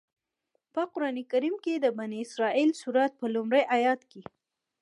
په قرآن کریم کې د بنی اسرائیل سورت په لومړي آيت کې.